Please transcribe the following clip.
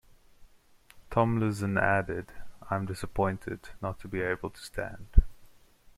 Tomlinson added: I am disappointed not to be able to stand.